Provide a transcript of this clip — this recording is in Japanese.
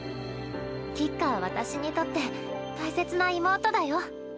橘花は私にとって大切な妹だよ。